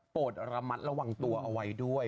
ระมัดระวังตัวเอาไว้ด้วย